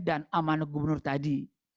dan amanah gubernur tadi